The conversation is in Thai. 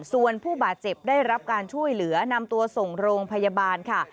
ส่วนผู้บาดเจ็บได้รับการช่วยเหลือนำตัวส่งโรงพยาบาลค่ะ